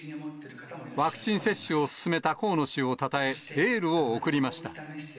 ワクチン接種を進めた河野氏をたたえ、エールを送りました。